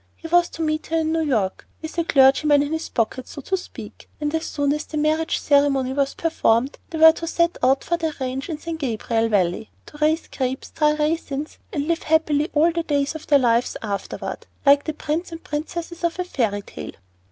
He was to meet her in New York, with a clergyman in his pocket, so to speak, and as soon as the marriage ceremony was performed, they were to set out for their ranch in the San Gabriel Valley, to raise grapes, dry raisins, and "live happily all the days of their lives afterward," like the prince and princess of a fairy tale.